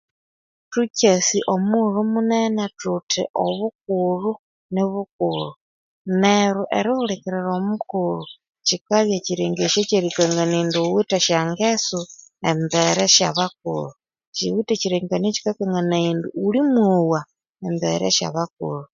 Thukyasi omughulhu munene thuthi obukulhu ni bukulhu nero erihulikirira omukulhu kyikabya kyirengesyo ekyerikangania indi wuwithe esya ngeso embere syabakulhu kyiwithe ekyirengesyo ekyikakanganaya indi wuli mwowa embere syabakulhu